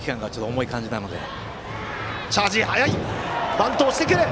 バントをしてくる！